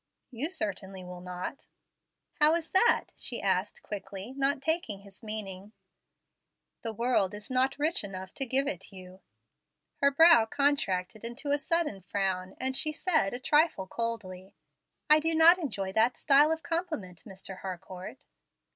"You certainly will not." "How is that?" she asked quickly, not taking his meaning, "The world is not rich enough to give it you." Her brow contracted into a sudden frown, and she said, a trifle coldly, "I do not enjoy that style of compliment, Mr. Harcourt."